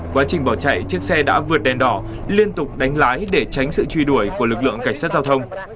quá trình bỏ chạy chiếc xe đã vượt đèn đỏ liên tục đánh lái để tránh sự truy đuổi của lực lượng cảnh sát giao thông